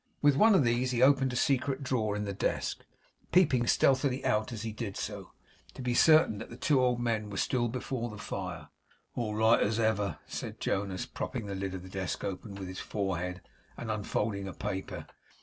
With one of these he opened a secret drawer in the desk; peeping stealthily out, as he did so, to be certain that the two old men were still before the fire. 'All as right as ever,' said Jonas, propping the lid of the desk open with his forehead, and unfolding a paper.